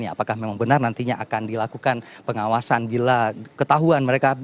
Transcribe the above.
apakah memang benar nantinya akan dilakukan pengawasan bila ketahuan mereka